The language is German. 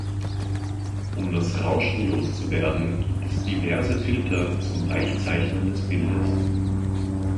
Um das Rauschen loszuwerden gibt es diverse Filter zum Weichzeichnen des Bildes.